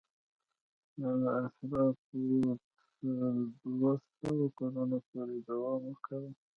دا اشرافو تر دوه سوه کلونو پورې دوام ورکاوه.